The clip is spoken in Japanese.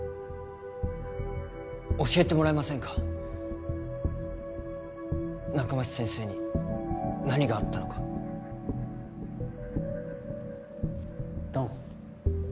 教えてもらえませんか仲町先生に何があったのか弾？